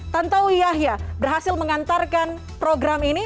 tan tau yahya berhasil mengantarkan program ini